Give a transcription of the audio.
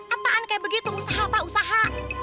apaan kayak begitu usaha pak usaha